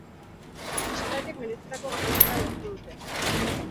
Bisitariek merezitako garaipena lortu dute.